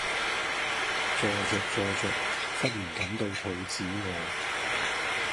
坐著坐著忽然感到肚子餓